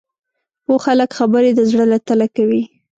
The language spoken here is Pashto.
پوه خلک خبرې د زړه له تله کوي